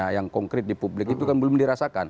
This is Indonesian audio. yang konkret di publik itu kan belum dirasakan